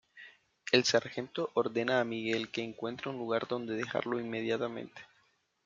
El sargento ordena a Miguel que encuentre un lugar donde dejarlo inmediatamente.